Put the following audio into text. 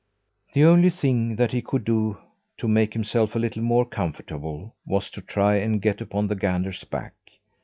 The only thing that he could do to make himself a little more comfortable, was to try and get upon the gander's back.